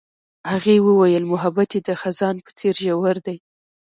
هغې وویل محبت یې د خزان په څېر ژور دی.